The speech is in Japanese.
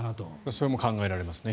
それも１つ考えられますね。